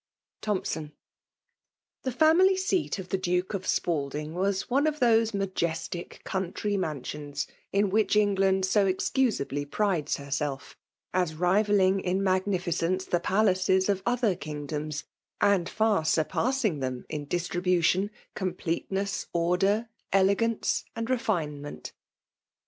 Thomson. The family scat of the Duke of Spalding wa3 one of those majestic country mansions iq which England SQ excusably prides herself, as rivalling in magnificence the palaces of other kingdoms, and far surpassing them in distri bution, * completeness, order, elegance, and refinement.